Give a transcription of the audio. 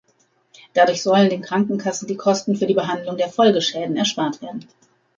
Dadurch sollen den Krankenkassen die Kosten für die Behandlung der Folgeschäden erspart werden.